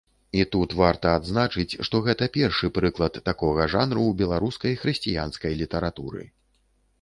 І тут варта адзначыць, што гэта першы прыклад такога жанру ў беларускай хрысціянскай літаратуры.